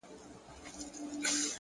خورې ورې پرتې وي”